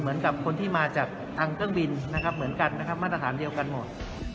เหมือนกับคนที่มาจากทางเครื่องบินนะครับเหมือนกันนะครับมาตรฐานเดียวกันหมด